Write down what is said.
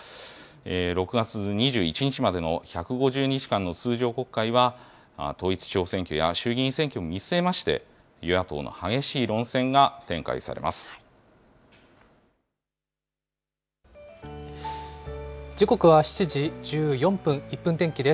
６月２１日までの１５０日間の通常国会は、統一地方選挙や衆議院選挙も見据えまして、与野党の激しい論戦が時刻は７時１４分、１分天気です。